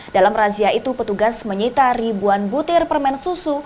dalam razia itu petugas menyita ribuan butir permen susu